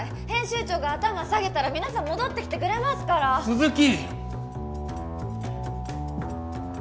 編集長が頭下げたら皆さん戻ってきてくれますから鈴木！